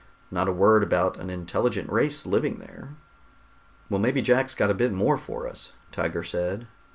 Not a word about an intelligent race living there." "Well, maybe Jack's got a bit more for us," Tiger said.